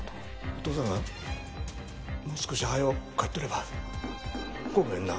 お父さんがもう少しはよ帰っとればごめんな